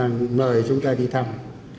nơi chúng ta đi tham gia